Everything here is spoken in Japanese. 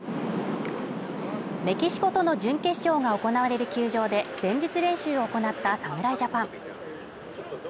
メキシコとの準決勝が行われる球場で前日練習を行った侍ジャパン。